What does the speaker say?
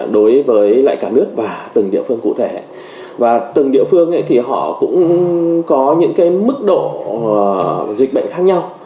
từ cả nước và từng địa phương cụ thể và từng địa phương thì họ cũng có những cái mức độ dịch bệnh khác nhau